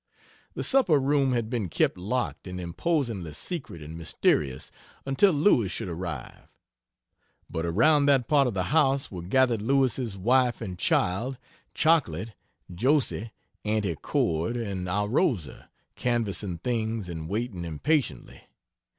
The supper room had been kept locked and imposingly secret and mysterious until Lewis should arrive; but around that part of the house were gathered Lewis's wife and child, Chocklate, Josie, Aunty Cord and our Rosa, canvassing things and waiting impatiently.